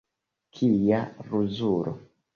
Kia ruzulo!